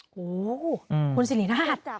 โหคุณสิรินาธ